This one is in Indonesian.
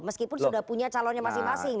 meskipun sudah punya calonnya masing masing